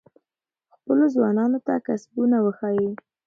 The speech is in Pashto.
خپلو ځوانانو ته کسبونه وښایئ.